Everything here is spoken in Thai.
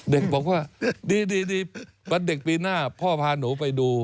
เด็กบอกว่าดีวันเด็กปีหน้าพ่อพาหนูไปดู